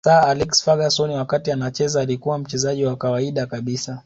Sir Alex Ferguson wakati anacheza alikuwa mchezaji wa kawaida kabisa